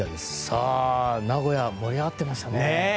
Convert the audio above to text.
さあ、名古屋盛り上がってましたね。